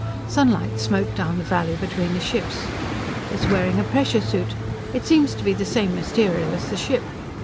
Sunlight smote down into the valley between the ships. "It's wearing a pressure suit. It seems to be the same material as the ship.